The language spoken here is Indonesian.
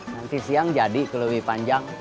nanti siang jadi lebih panjang